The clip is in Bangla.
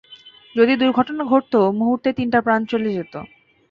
যদি দূর্ঘটনাটা ঘটতো, মুহুর্তেই তিনটা প্রাণ চলে যেতো!